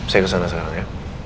saya kesana sekarang ya